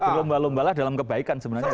berlomba lombalah dalam kebaikan sebenarnya